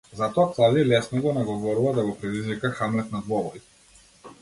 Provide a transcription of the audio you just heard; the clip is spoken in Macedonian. Затоа Клавдиј лесно го наговорува да го предизвика Хамлет на двобој.